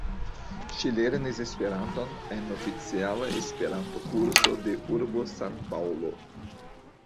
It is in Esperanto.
Ŝi lernis Esperanton en oficiala Esperanto-Kurso de urbo San-Paŭlo.